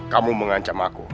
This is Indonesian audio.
kamu mengancam aku